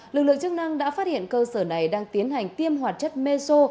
lực lượng chức năng đã phát hiện cơ sở này đang tiến hành tiêm hoạt chất meso